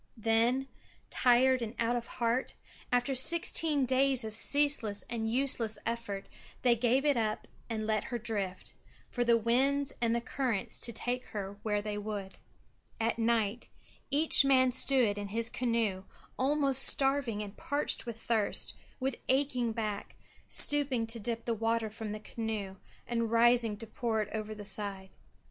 Then, tired and out of heart, after sixteen days of ceaseless and useless effort, they gave it up and let her drift, for the winds and currents to take her where they would. At night each man stood in his canoe almost starving and parched with thirst, with aching back, stooping to dip the water from the canoe and rising to pour it over the side.